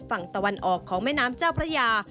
ฝั่งตะวันออกของแม่น้ำเจ้าพระยา